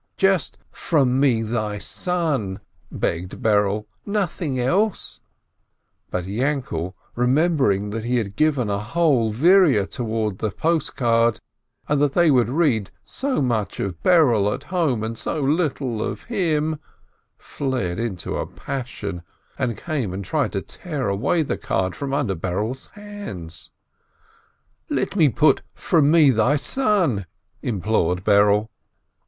"Hush ! Just 'from me, thy son,' " begged Berele, "nothing else I" But Yainkele, remembering that he had given a whole vierer toward the post card, and that they would read so much of Berele at home, and so little of him, flew into a passion, and came and tried to tear away the card from under Berele's hands. "Let me put 'from me, thy son' !" implored Berele.